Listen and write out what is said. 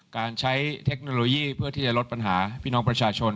การใช้เทคโนโลยีเพื่อที่จะลดปัญหาพี่น้องประชาชน